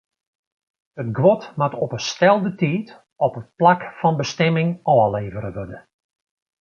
It guod moat op 'e stelde tiid op it plak fan bestimming ôflevere wurde.